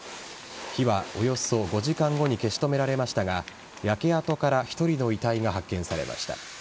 火はおよそ５時間後に消し止められましたが焼け跡から１人の遺体が発見されました。